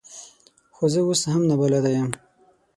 خو زه اوس هم نابلده یم .